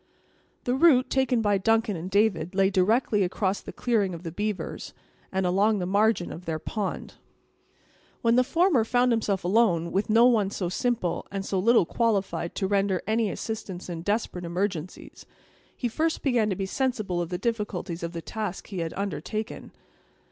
The route taken by Duncan and David lay directly across the clearing of the beavers, and along the margin of their pond. When the former found himself alone with one so simple, and so little qualified to render any assistance in desperate emergencies, he first began to be sensible of the difficulties of the task he had undertaken.